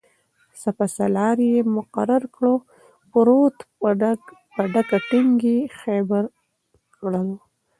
سپه سالار یې مقرر کړلو-پروت په ډکه ټینګ یې خیبر کړلو